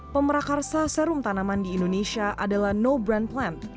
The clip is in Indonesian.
pemrakarsa serum tanaman di indonesia adalah no brand plant